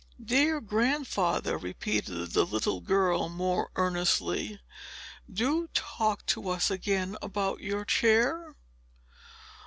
"Dear Grandfather," repeated the little girl, more earnestly, "do talk to us again about your chair."